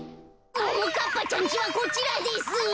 ももかっぱちゃんちはこちらです。